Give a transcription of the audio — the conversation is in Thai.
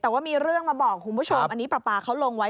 แต่ว่ามีเรื่องมาบอกคุณผู้ชมอันนี้ปลาปลาเขาลงไว้